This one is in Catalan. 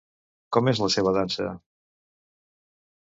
Com és la seva dansa?